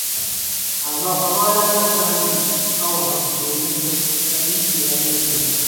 Abawalajjana bangi bawakankula embuto ezitali nneeyagalire.